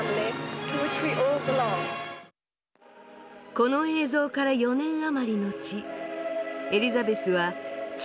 この映像から４年余り後エリザベスは父